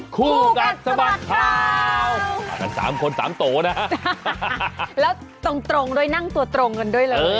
คู่กัดสะบัดข่าวกันสามคนสามโตนะฮะแล้วตรงด้วยนั่งตัวตรงกันด้วยเลย